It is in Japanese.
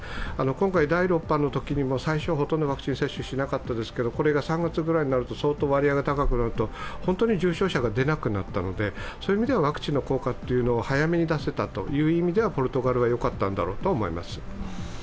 今回、第６波のときにも最初、ほとんどワクチン接種しませんでしたがこれが３月ぐらいになると相当割合が高くなると、本当に重症者が出なくなったので、ワクチンの効果を早めに出せたという意味ではポルトガルはよかったんだろうと思います。